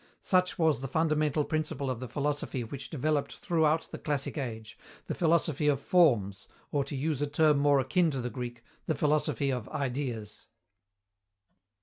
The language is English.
Such was the fundamental principle of the philosophy which developed throughout the classic age, the philosophy of Forms, or, to use a term more akin to the Greek, the philosophy of Ideas.